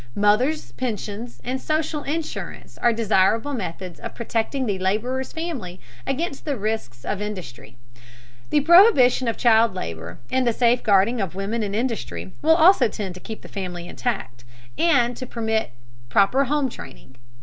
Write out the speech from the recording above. Mothers' pensions and social insurance are desirable methods of protecting the laborer's family against the risks of industry. The prohibition of child labor and the safeguarding of women in industry will also tend to keep the family intact, and to permit proper home training.